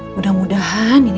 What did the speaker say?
jadi kamu deluan aja wargenya